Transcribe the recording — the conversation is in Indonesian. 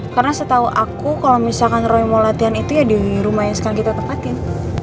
karena setau aku kalo misalkan roy mau latihan itu ya di rumah yang sekarang kita tempatin